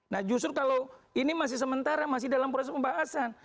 nah justru kalau ini masih sementara masih dalam proses pembahasan